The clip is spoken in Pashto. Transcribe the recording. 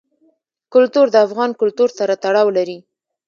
کلتور د افغان کلتور سره تړاو لري.